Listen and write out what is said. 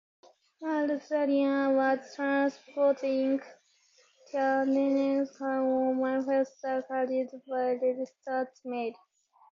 "Mauretania" was transporting "Titanic"s cargo manifest carried by registered mail.